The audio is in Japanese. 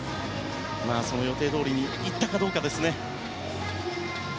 予定どおりに行ったかどうかですね。